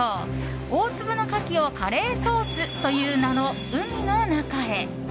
大粒のカキをカレーソースという名の海の中へ。